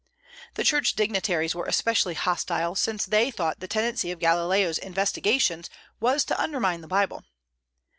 The church dignitaries were especially hostile, since they thought the tendency of Galileo's investigations was to undermine the Bible.